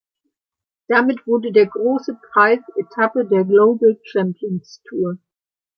Damit wurde der Großer Preis Etappe der Global Champions Tour.